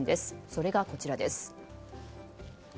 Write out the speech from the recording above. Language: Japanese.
それがこちらです。